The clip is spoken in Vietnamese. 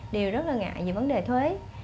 đều rất là ngại vì vấn đề thuế